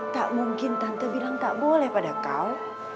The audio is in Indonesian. tak mungkin tante bilang tak boleh pada kau